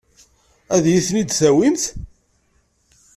Ad iyi-ten-id-tawimt?